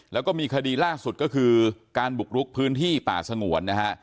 แล้วก็มีคดีล่าสุดก็คือการบุกลุกพื้นที่ป่าสงวนนะฮะ